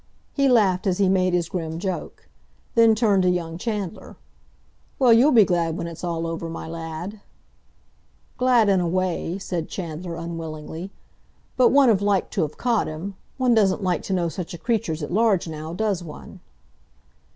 He laughed as he made his grim joke. Then turned to young Chandler: "Well, you'll be glad when its all over, my lad." "Glad in a way," said Chandler unwillingly. "But one 'ud have liked to have caught him. One doesn't like to know such a creature's at large, now, does one?"